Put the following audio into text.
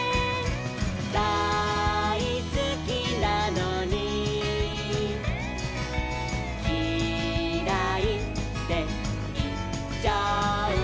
「だいすきなのにキライっていっちゃう」